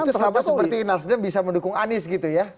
sama seperti nasdem bisa mendukung anies gitu ya